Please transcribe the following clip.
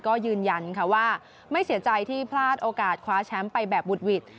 ก็ยืนยันค่ะว่าไม่เสียใจที่พลาดโอกาสคว้าแชมป์ไปแบบบุดหวิด